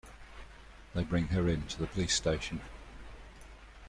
They bring her in to the police station.